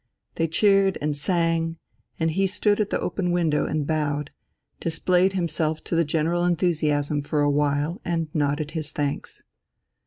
They cheered and sang, and he stood at the open window and bowed, displayed himself to the general enthusiasm for a while and nodded his thanks.